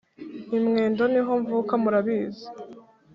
imwendo niho mvuka murabizi